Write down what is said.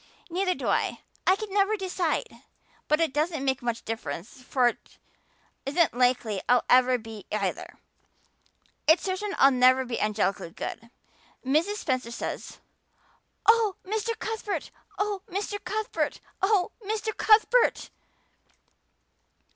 "Neither do I. I can never decide. But it doesn't make much real difference for it isn't likely I'll ever be either. It's certain I'll never be angelically good. Mrs. Spencer says oh, Mr. Cuthbert! Oh, Mr. Cuthbert!! Oh, Mr. Cuthbert!!!"